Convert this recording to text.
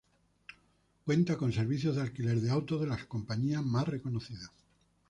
Cuenta con servicios de alquiler de autos de las compañías más reconocidas.